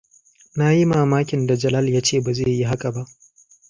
Na yi mamakin da Jalal ya ce ba zai yi haka ba.